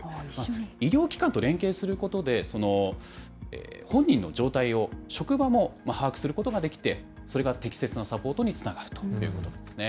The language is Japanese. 医療機関と連携することで、本人の状態を職場も把握することができて、それが適切なサポートにつながるということなんですね。